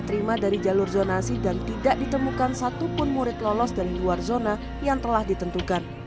diterima dari jalur zonasi dan tidak ditemukan satupun murid lolos dari luar zona yang telah ditentukan